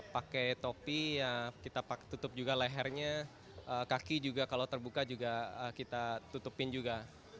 pakai topi ya kita tutup juga lehernya kaki juga kalau terbuka juga kita tutupin juga